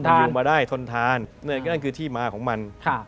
อยู่มาได้ทนทานนั่นคือที่มาของมัน